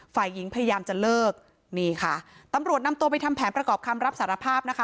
ฝ่ายหญิงพยายามจะเลิกนี่ค่ะตำรวจนำตัวไปทำแผนประกอบคำรับสารภาพนะคะ